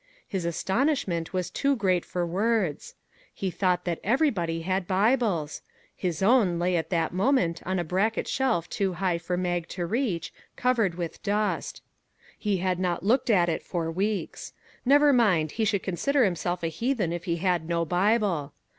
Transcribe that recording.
His astonishment was too great for words. He thought that everybody had Bibles. His own "I'LL DO MY VERY BEST' 3 lay at that moment on a bracket shelf too high for Mag to reach, covered with dust. He had not looked at it for weeks; never mind, he should consider himself a heathen if he had no Bible.